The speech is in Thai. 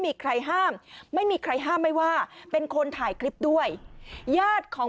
มีใครห้ามไม่มีใครห้ามไม่ว่าเป็นคนถ่ายคลิปด้วยญาติของ